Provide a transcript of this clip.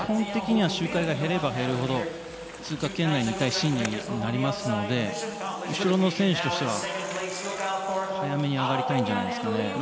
基本的には周回が減れば減るほど通過圏内にあると思いますので後ろの選手としては早めに上がりたいんじゃないですかね。